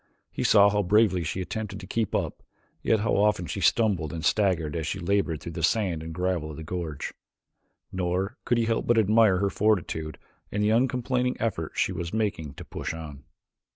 He saw how bravely she attempted to keep up, yet how often she stumbled and staggered as she labored through the sand and gravel of the gorge. Nor could he help but admire her fortitude and the uncomplaining effort she was making to push on.